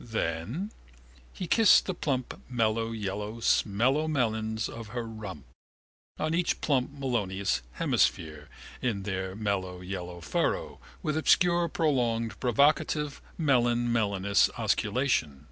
Then? He kissed the plump mellow yellow smellow melons of her rump, on each plump melonous hemisphere, in their mellow yellow furrow, with obscure prolonged provocative melonsmellonous osculation.